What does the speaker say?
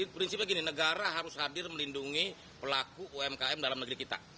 prinsipnya gini negara harus hadir melindungi pelaku umkm dalam negeri kita